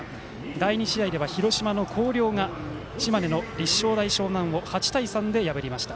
第２試合では、広島の広陵が島根の立正大淞南を８対３で破りました。